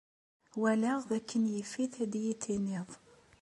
Walaɣ d akken yif-it ad yi-d-tiniḍ.